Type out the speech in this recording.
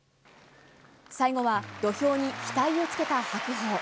最後は、土俵に額をつけた白鵬。